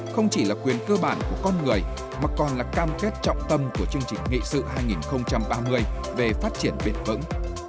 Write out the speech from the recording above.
không chỉ là một người mà còn là cam kết trọng tâm của chương trình nghị sự hai nghìn ba mươi về phát triển biển vững